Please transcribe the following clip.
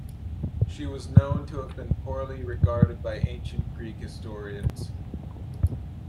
She was known to have been poorly regarded by ancient Greek historians.